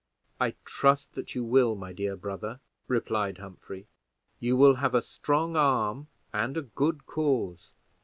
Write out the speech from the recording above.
"I trust that you will, my dear brother," replied Humphrey; "you will have a strong arm and a good cause.